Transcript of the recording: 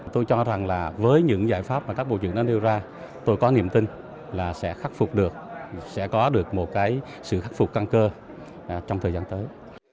tôi cho rằng là với những giải pháp mà các bộ trưởng đã đưa ra tôi có niềm tin là sẽ khắc phục được sẽ có được một cái sự khắc phục căn cơ trong thời gian tới